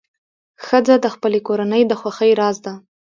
ښځه د خپلې کورنۍ د خوښۍ راز ده.